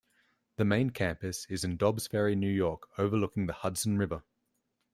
The main campus is in Dobbs Ferry, New York, overlooking the Hudson River.